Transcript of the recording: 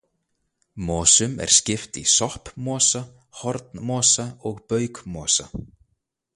Mosum er skipt í soppmosa, hornmosa og baukmosa.